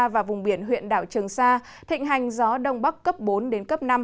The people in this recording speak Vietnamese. và vùng biển huyện đảo trường sa thịnh hành gió đông bắc cấp bốn đến cấp năm